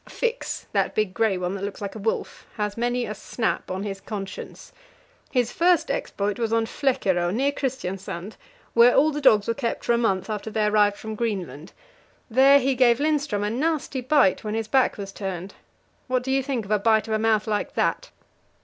Fix, that big grey one that looks like a wolf, has many a snap on his conscience. His first exploit was on Flekkerö, near Christiansand, where all the dogs were kept for a month after they arrived from Greenland; there he gave Lindström a nasty bite when his back was turned. What do you think of a bite of a mouth like that?"